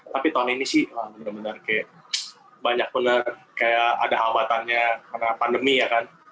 tapi tahun ini sih benar benar kayak banyak bener kayak ada hambatannya karena pandemi ya kan